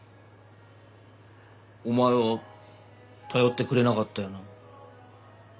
お前は頼ってくれなかったよな。